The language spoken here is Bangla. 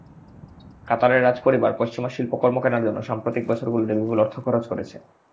কাতারের রাজপরিবার পশ্চিমা শিল্পকর্ম কেনার জন্য সাম্প্রতিক বছরগুলোতে বিপুল অর্থ খরচ করেছে।